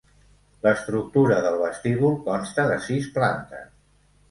L'estructura del vestíbul consta de sis plantes.